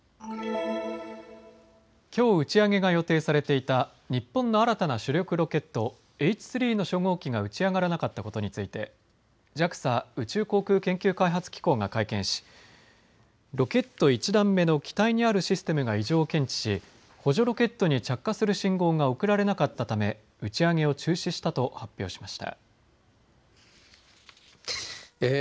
きょう打ち上げが予定されていた日本の新たな主力ロケット、Ｈ３の初号機が打ち上がらなかったことについてＪＡＸＡ・宇宙航空研究開発機構が会見し、ロケット１段目の機体にあるシステムが異常を検知し補助ロケットに着火する信号が送られなかったため打ち上げを中止したと発表しました。